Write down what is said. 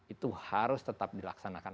itu harus tetap dilaksanakan